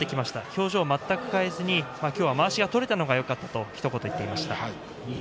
表情を変えずに、まわしを取れたのがよかったと言っていました。